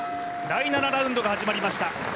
第７ラウンドが始まりました。